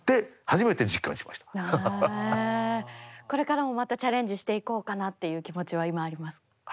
これからもまたチャレンジしていこうかなっていう気持ちは今ありますか？